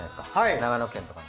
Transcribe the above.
長野県とかに。